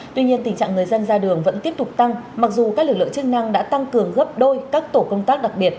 tuy nhiên tình trạng người dân ra đường vẫn tiếp tục tăng mặc dù các lực lượng chức năng đã tăng cường gấp đôi các tổ công tác đặc biệt